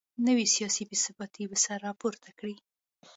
نو سیاسي بې ثباتي به سر راپورته کړي